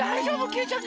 きいちゃん